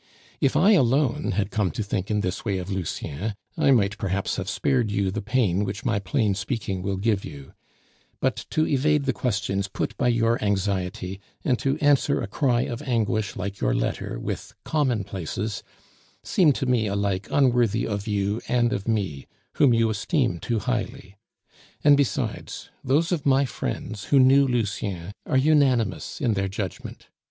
If I alone had come to think in this way of Lucien, I might perhaps have spared you the pain which my plain speaking will give you; but to evade the questions put by your anxiety, and to answer a cry of anguish like your letter with commonplaces, seemed to me alike unworthy of you and of me, whom you esteem too highly; and besides, those of my friends who knew Lucien are unanimous in their judgment.